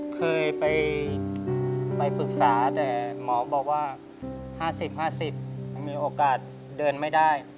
เคยไปปรึกษาแต่หมอบอกว่า๕๐๕๐มันมีโอกาสเดินไม่ได้